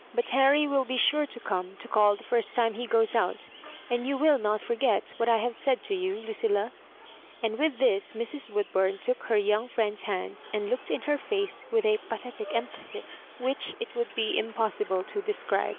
" But Harry will be sure to come to call the first time he goes out, and you wiU not forget what T have said to you, Lucilla ?" and with fiiis Mrs, Woodbum took her young friend*8 hand and looked in her face with a pathetic emphasis which it would be impossible to describe.